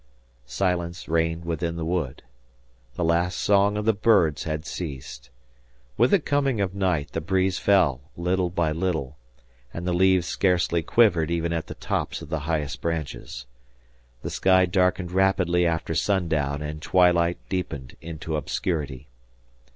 Silence reigned within the wood. The last song of the birds had ceased. With the coming of night the breeze fell little by little, and the leaves scarcely quivered even at the tops of the highest branches. The sky darkened rapidly after sundown and twilight deepened into obscurity.